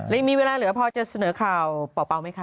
ยังมีเวลาเหลือพอจะเสนอข่าวเป่าไหมคะ